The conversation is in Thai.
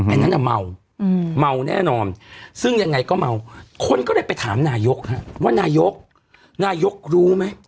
อันนั้นน่ะเมาเมาแน่นอนซึ่งยังไงก็เมาคนก็เลยไปถามนายกว่านายกนายกรู้ไหม